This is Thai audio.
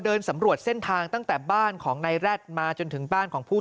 เดินสำรวจเส้นทางตั้งแต่บ้านของนายแร็ดมาจนถึงบ้านของผู้